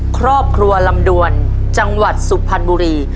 ครอบครัวลำดวนจังหวัดสุพรรณบุรี